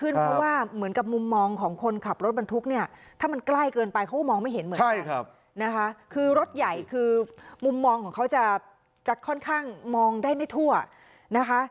เพราะว่าเหมือนกับมุมมองของคนขับรถบรรทุกเนี่ยถ้ามันใกล้เกินไปเขาก็มองไม่เห็นเหมือนกันนะคะคือรถใหญ่คือมุมมองของเขาจะค่อนข้างมองได้ไม่ทั่วนะคะ